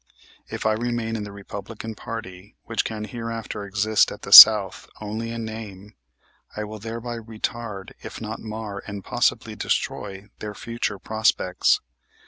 If I remain in the Republican party, which can hereafter exist at the South only in name, I will thereby retard, if not mar and possibly destroy, their future prospects.